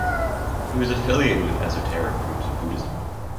He was affiliated with esoteric schools of Buddhism.